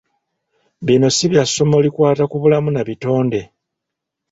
Bino si bya ssomo likwata ku bulamu na butonde.